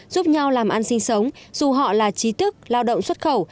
giúp nhau làm ăn sinh sống dù họ là trí thức lao động xuất khẩu